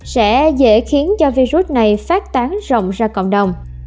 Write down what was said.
sẽ dễ khiến cho virus này phát tán rộng ra cộng đồng